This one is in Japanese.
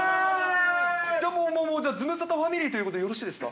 じゃあもう、ズムサタファミリーということで、よろしいですか。